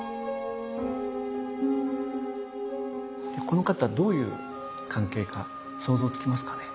この方どういう関係か想像つきますかね？